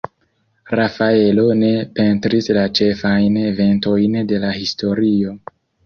Rafaelo ne pentris la ĉefajn eventojn de la historio.